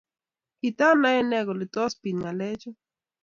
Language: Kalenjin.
Kitanae ng'o kole tos bit ngalek chu?